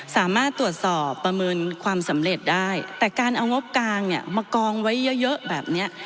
สามารถตรวจสอบประเมินความสำเร็จได้แต่การเอางบกลางเนี่ยมากองไว้เยอะเยอะแบบเนี้ย